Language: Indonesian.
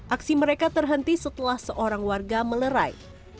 aksi mereka terhenti setelah seorang warga melerai